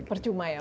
percuma ya pak ya